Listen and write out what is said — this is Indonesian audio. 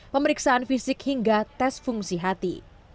pemeriksaan fisik hingga tes fungsi hati